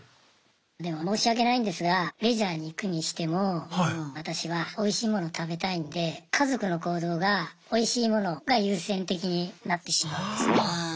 でも申し訳ないんですがレジャーに行くにしても私はおいしいもの食べたいんで家族の行動がおいしいものが優先的になってしまうんですね。